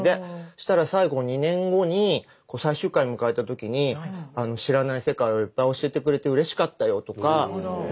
そしたら最後２年後に最終回迎えた時に知らない世界をいっぱい教えてくれてうれしかったよとか。